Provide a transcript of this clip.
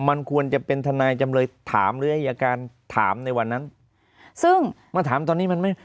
มันควรจะเป็นทนายจำเลยถามหรืออายการถามในวันนั้นซึ่งมาถามตอนนี้มันไม่